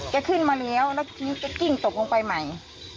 ขึ้นมาเลี้ยวแล้วทีนี้แกกิ้งตกลงไปใหม่